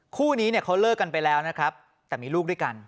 คู่นี้เขาเลิกกันไปแล้วแต่มีลูกด้วยกัน